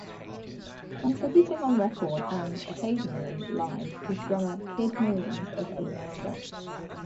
Contributing on record and, occasionally, live was drummer Kid Millions of Oneida.